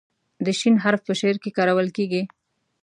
د "ش" حرف په شعر کې کارول کیږي.